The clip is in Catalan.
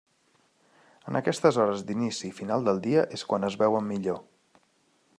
En aquestes hores d’inici i final del dia és quan es veuen millor.